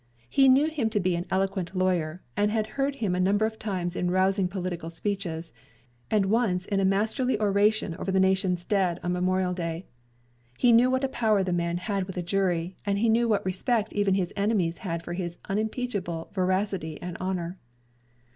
He knew him to be an eloquent lawyer, and had heard him a number of times in rousing political speeches, and once in a masterly oration over the Nation's dead on Memorial day. He knew what a power the man had with a jury, and he knew what respect even his enemies had for his unimpeachable veracity and honor.